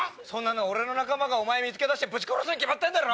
俺の仲間がお前見つけ出してぶち殺すに決まってんだろ！